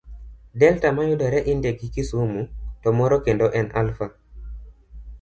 Delta mayudore India gi Kisumu, to moro kendo en Alpha.